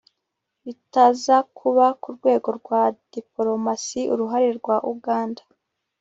bitaza kuba ku rwego rwa dipolomasi, uruhare rwa uganda